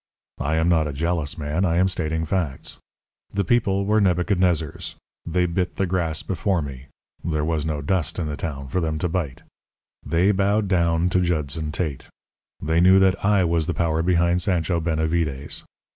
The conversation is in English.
I am not a jealous man; I am stating facts. The people were Nebuchadnezzars; they bit the grass before me; there was no dust in the town for them to bite. They bowed down to Judson Tate. They knew that I was the power behind Sancho Benavides.